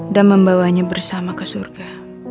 membawanya bersama ke surga